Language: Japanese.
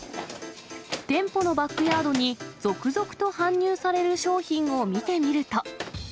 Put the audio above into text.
店舗のバッグヤードに続々と搬入される商品を見てみると。